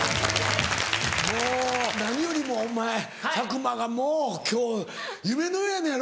もう何よりもお前佐久間が今日夢のようやのやろ？